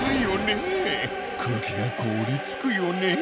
空気が凍りつくよね？